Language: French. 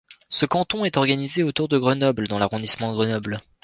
Ce canton est organisé autour de Grenoble dans l'arrondissement de Grenoble.